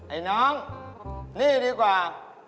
ไอ้น้องนี่ดีกว่า